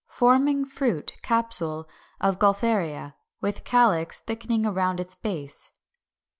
Forming fruit (capsule) of Gaultheria, with calyx thickening around its base.